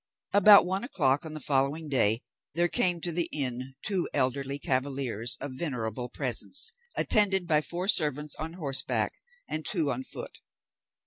About one o'clock on the following day, there came to the inn two elderly cavaliers of venerable presence, attended by four servants on horseback and two on foot.